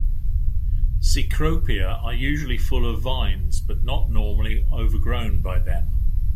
"Cecropia" are usually full of vines but not normally overgrown by them.